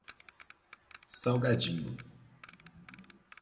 Salgadinho